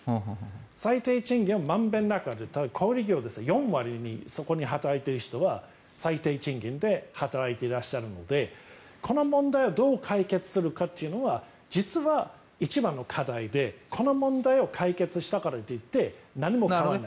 最低賃金を満遍なく小売業は４割にそこに働いている人は最低賃金で働いていらっしゃるのでこの問題をどう解決するかというのは実は一番の問題でこの問題を解決したからといって何も変わらない。